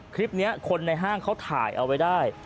คลิปนี้คนในห้างเขาถ่ายเอาไว้ได้